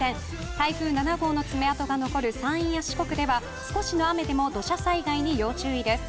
台風７号の爪痕が残る山陰や四国では少しの雨でも土砂災害に要注意です。